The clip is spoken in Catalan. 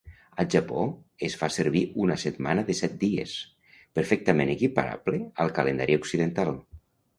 Al Japó es fa servir una setmana de set dies, perfectament equiparable al calendari occidental.